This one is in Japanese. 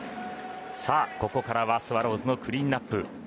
さあ、ここからはスワローズのクリーンアップ。